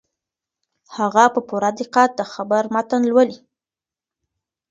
هغه په پوره دقت د خبر متن لولي.